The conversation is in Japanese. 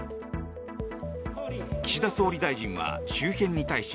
岸田総理大臣は周辺に対し